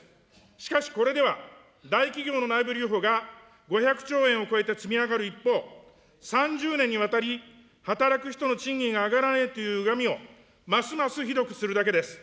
しかしこれでは、大企業の内部留保が５００兆円を超えて積み上がる一方、３０年にわたり働く人の賃金が上がらないというゆがみをますますひどくするだけです。